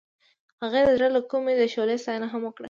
هغې د زړه له کومې د شعله ستاینه هم وکړه.